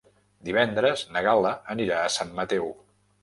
Divendres na Gal·la anirà a Sant Mateu.